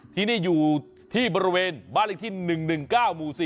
ที่นี่อยู่ที่บริเวณบ้านเลขที่๑๑๙หมู่๔